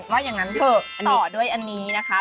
เพราะฉะนั้นต่อด้วยอันนี้นะคะ